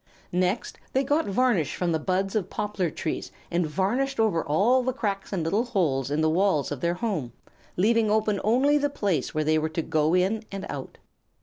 Next they got varnish from the buds of poplar trees and varnished over all the cracks and little holes in the walls of their home, leaving open only the place where they were to go in and out.